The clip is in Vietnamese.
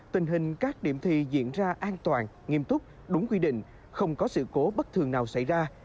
tình hình các điểm thi diễn ra an toàn nghiêm túc đúng quy định không có sự cố bất thường nào xảy ra